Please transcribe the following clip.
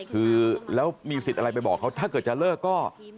คือแล้วมีสิทธิ์อะไรไปบอกเขาถ้าเกิดจะเลิกก็